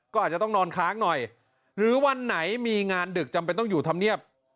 ก็อาจจะต้องนอนค้างหน่อยหรือวันไหนมีงานดึกจำเป็นต้องอยู่ธรรมเนียบ